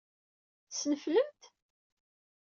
Tesneflem-t?